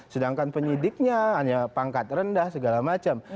sedangkan penyidiknya hanya pangkat rendah segala macam